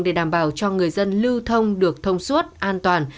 để đảm bảo cho người dân lưu thông được thông suốt an toàn